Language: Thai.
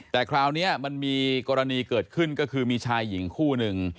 แต่คราวนี้มันมีกรณีเกิดขึ้นก็คือมีชายหญิงคู่หนึ่ง